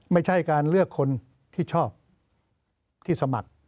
ไม่ใช่การเลือกคนที่ชอบที่สมัคร